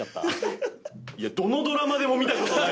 いやどのドラマでも見たことないです。